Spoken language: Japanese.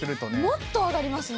もっと上がりますね。